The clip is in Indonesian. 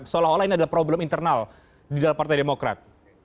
seolah olah ini adalah problem internal di dalam partai demokrat